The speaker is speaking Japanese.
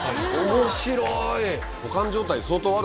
面白い。